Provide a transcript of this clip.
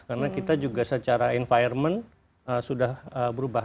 karena kita juga secara environment sudah berubah